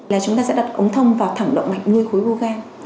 là chúng ta sẽ đặt ống thông vào thẳng động mạch như khối u gan